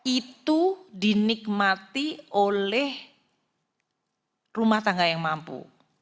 itu dinikmati oleh rumah tangga yang mampu